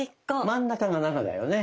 真ん中が「７」だよね。